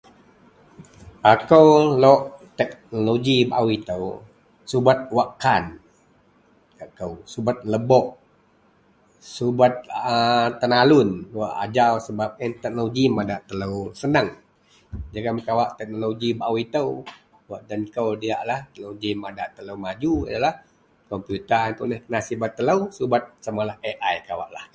Akou lok teknoloji bao ito subet wakkan, subet lebok, subet a tenalun wak ajau sebab ien teknoloji madak telo senang jegum kawak teknoloji bao ito wak den kou diyaklah, teknoloji madak telo maju ialah komputa iyen tuneh kena subet telo subet samalah AI kawak.